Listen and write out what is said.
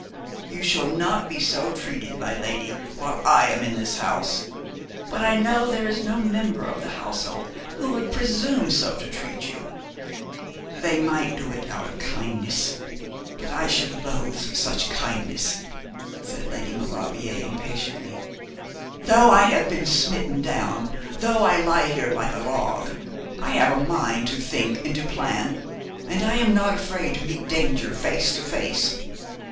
'You shall not be so treated, my lady, while I am in this house; but I know there is no member of the household who would presume so to treat you.' 'They might do it out of kindness; but I should loathe such kindness,' said Lady Maulevrier, impatiently. 'Though I have been smitten down, though I lie here like a log, I have a mind to think and to plan; and I am not afraid to meet danger, face to face.